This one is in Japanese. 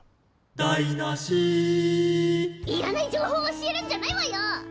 「だいなし」いらない情報教えるんじゃないわよ！